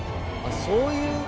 そういう？